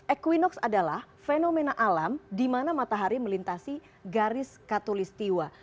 equinox adalah fenomena alam di mana matahari melintasi garis katolistiwa